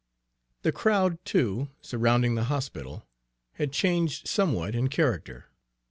The crowd, too, surrounding the hospital, had changed somewhat in character.